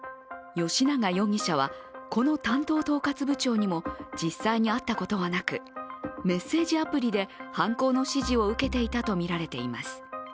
吉永容疑者はこの担当統括部長にも実際に会ったことはなくメッセージアプリで犯行の指示を受けていたとみられています。